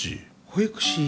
保育士？